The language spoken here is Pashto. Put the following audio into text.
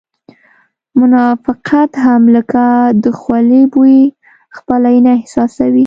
منافقت هم لکه د خولې بوی خپله یې نه احساسوې